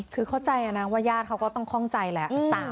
คือเข้าใจนะว่าญาติเขาก็ต้องคล่องใจแหละ